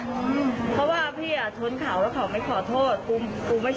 เหมือนว่าเธอให้ชนแบบชนกันอะไรประมาณเนี้ย